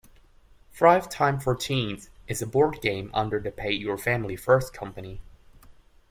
"ThriveTime for Teens" is a board game under the Pay Your Family First company.